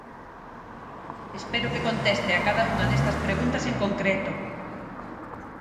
Espero que conteste a cada unha destas preguntas en concreto.